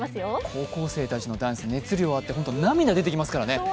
高校生たちのダンス、熱量あってほんと、涙が出てきますからね。